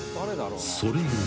［それが］